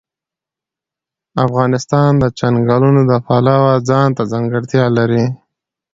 افغانستان د چنګلونه د پلوه ځانته ځانګړتیا لري.